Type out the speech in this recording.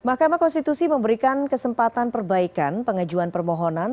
mahkamah konstitusi memberikan kesempatan perbaikan pengajuan permohonan